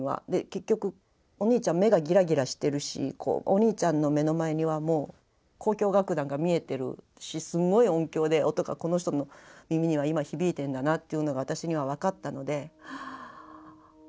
結局お兄ちゃん目がギラギラしてるしお兄ちゃんの目の前にはもう交響楽団が見えてるしすんごい音響で音がこの人の耳には今響いてんだなっていうのが私には分かったので。